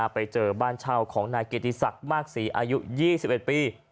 ไปเจอบ้านเช่าของนายเกียรติศักดิ์มากศรีอายุ๒๑ปี